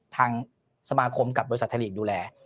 ทางสมาคมกับบริษัทไทยลีกดูแล